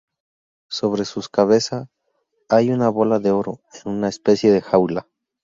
Sobre sus cabeza hay una bola de oro en una especie de jaula.